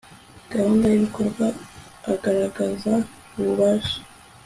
gahunda y ibikorwa agaragaza ububasha